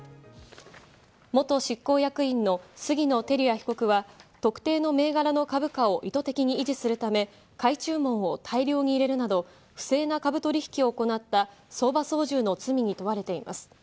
元執行役員の杉野輝也被告は特定の銘柄の株価を意図的に維持するため、買い注文を大量に入れるなど不正な株取引を行った相場操縦の罪に問われています。